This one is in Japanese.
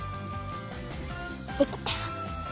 できた！